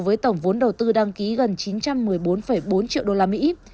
vốn đầu tư đăng ký gần chín trăm một mươi bốn bốn triệu usd